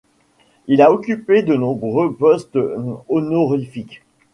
Il a occupé de nombreux postes honorifiques.